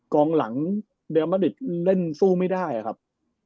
กองหลังเดลมาริดเล่นสู้ไม่ได้ครับ